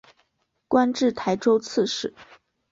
官至台州刺史。